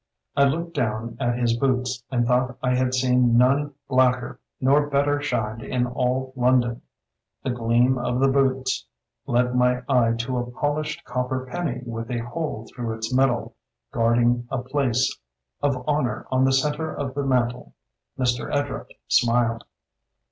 I looked down at his boots and thought I had seen none blacker nor better shined in all Lon don. The gleam of the boots led my eye to a polished copper penny with a hole through its middle, guarding a place of honor on the centre of the mantel. Mr. Edrupt smiled.